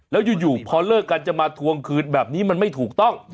แล้วอยู่พอเลิกกันจะมาทวงคืนแบบนี้มันไม่ถูกต้อง